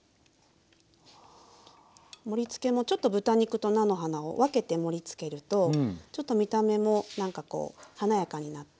盛りつけもちょっと豚肉と菜の花を分けて盛りつけるとちょっと見た目も何かこう華やかになって。